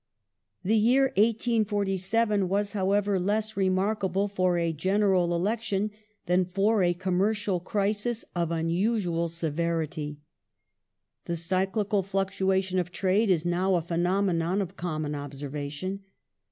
The year 1847 was, however, less remarkable for a General Elec The com tion, than for a commercial crisis of unusual severity. The cyclical "^ercial fluctuation of trade is now a phenomenon of common observation.